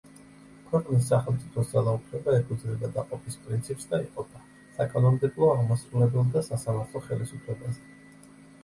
ქვეყნის სახელმწიფოს ძალაუფლება ეფუძნება დაყოფის პრინციპს და იყოფა: საკანონმდებლო, აღმასრულებელ და სასამართლო ხელისუფლებაზე.